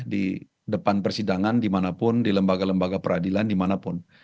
di depan persidangan dimanapun di lembaga lembaga peradilan dimanapun